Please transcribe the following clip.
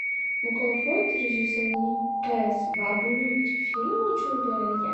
Mukofot rejissorning “Qiz va bulut” filmi uchun berilgan